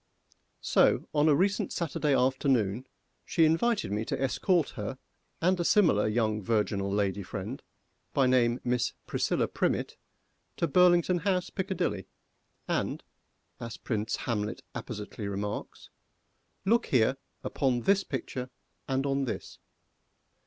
So, on a recent Saturday afternoon, she invited me to escort her and a similar young virginal lady friend, by name Miss PRISCILLA PRIMMETT, to Burlington House, Piccadilly, and, as Prince Hamlet appositely remarks, "Look here upon this picture and on this."